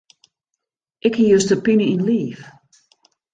Ik hie juster pine yn 't liif.